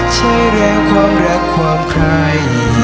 ใช่แล้วความรักความใคร